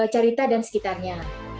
carita dan sekitarnya